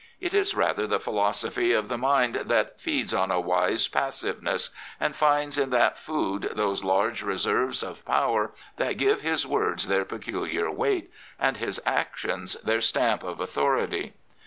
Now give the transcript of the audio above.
It is rather the philosophy of the mind that " feeds on a, wise passiveness,'* and finds in that food those large reserves of power that give his words their peculiar weight and his actions their stamp of authority.